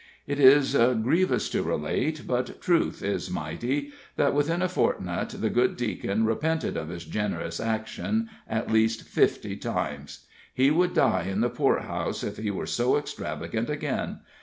It is grievous to relate, but truth is mighty that within a fortnight the good Deacon repented of his generous action at least fifty times. He would die in the poor house if he were so extravagant again.